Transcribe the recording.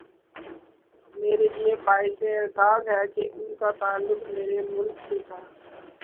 میرے لیے باعث اعزاز ہے کہ ان کا تعلق میرے ملک سے تھا۔